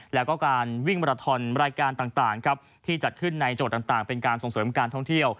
แล้วก็การวิ่งมาราทอนรายการต่างครับที่จัดขึ้นในโจทย์ต่างเป็นการส่งเสริมการท่องเที่ยว